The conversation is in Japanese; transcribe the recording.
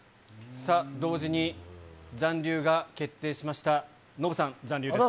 さあ、同時に残留が決定しましたノブさん、残留です。